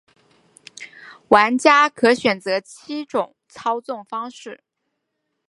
玩家可选择七种操纵方式。